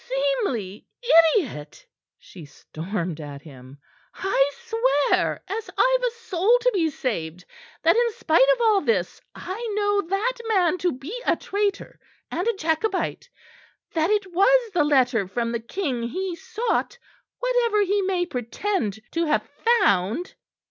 "Seemly, idiot?" she stormed at him. "I swear, as I've a soul to be saved, that in spite of all this, I know that man to be a traitor and a Jacobite that it was the letter from the king he sought, whatever he may pretend to have found."